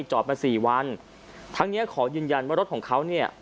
จอดมาสี่วันทั้งเนี้ยขอยืนยันว่ารถของเขาเนี่ย